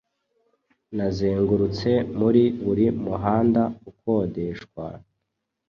Nazengurutse muri buri muhanda ukodeshwa,